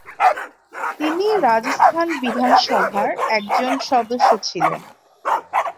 তিনি রাজস্থান বিধানসভার একজন সদস্য ছিলেন।